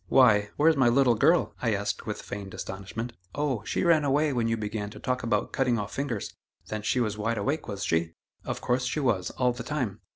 "Why! where's my little girl?" I asked with feigned astonishment. "Oh! she ran away when you began to talk about cutting off fingers." "Then she was wide awake, was she?" "Of course she was, all the time."